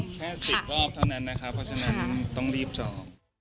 แค่สิบรอบเท่านั้นนะคะเพราะฉะนั้นต้องรีบเจาะ